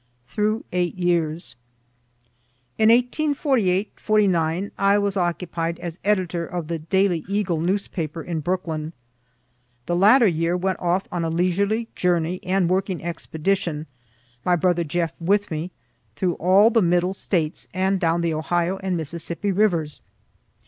THROUGH EIGHT YEARS. In 1848, '49, I was occupied as editor of the "daily Eagle" newspaper, in Brooklyn. The latter year went off on a leisurely journey and working expedition (my brother Jeff with me) through all the middle States, and down the Ohio and Mississippi rivers.